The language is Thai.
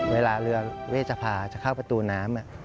เวลาเรือเวชภาจะเข้าประตูน้ำ